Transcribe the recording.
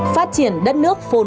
phát triển đất nước phát triển